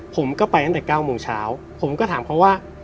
ผมก็ไปตั้งแต่๙โมงเช้าผมก็ถามเขาว่า